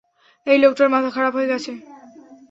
এই লোকটার মাথা খারাপ হয়ে গেছে!